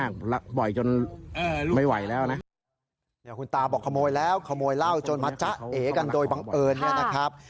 เนี่ยคุณตาบอกขโมยแล้วขโมยเหล้าจนมาจ๊ะเอกันโดยบังเอิญเนี่ยนะครับ